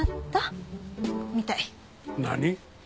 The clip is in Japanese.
何？